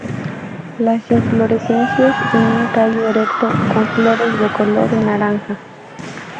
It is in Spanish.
Las inflorescencias en un tallo erecto con flores de color naranja.